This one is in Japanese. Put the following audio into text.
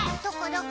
どこ？